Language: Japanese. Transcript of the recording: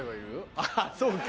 あっそうか。